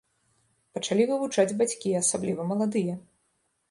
Пачалі вывучаць бацькі, асабліва маладыя.